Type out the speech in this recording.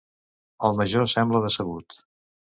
El major sembla decebut.